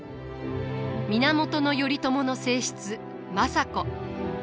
源頼朝の正室政子。